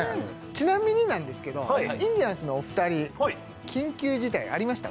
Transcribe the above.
ちなみになんですけどインディアンスのお二人緊急事態ありました？